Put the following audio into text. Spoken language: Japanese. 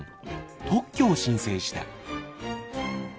特許を申請した。